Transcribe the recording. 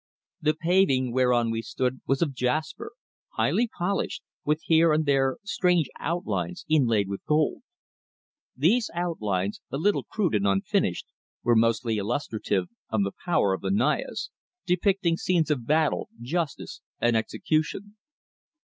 The paving whereon we stood was of jasper, highly polished, with here and there strange outlines inlaid with gold. These outlines, a little crude and unfinished, were mostly illustrative of the power of the Nayas, depicting scenes of battle, justice and execution.